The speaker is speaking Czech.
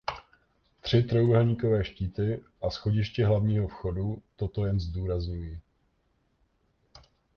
Tři trojúhelníkové štíty a schodiště hlavního vchodu toto jen zdůrazňují.